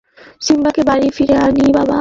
সিম্বাকে বাড়ি ফিরে আনি, বাবা।